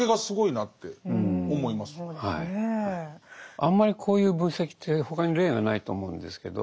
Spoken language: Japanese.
あんまりこういう分析って他に例がないと思うんですけど